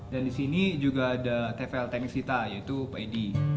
dan di sini juga ada tvl teknis kita yaitu pid